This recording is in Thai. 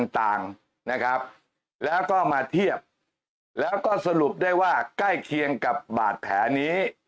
ต่างนะครับแล้วก็มาเทียบแล้วก็สรุปได้ว่าใกล้เคียงกับบาดแผลนี้